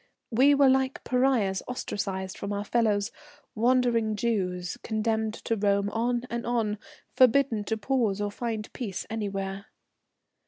We were like pariahs ostracized from our fellows, wandering Jews condemned to roam on and on, forbidden to pause or find peace anywhere.